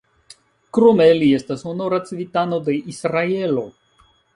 Krome li estas honora civitano de Israelo.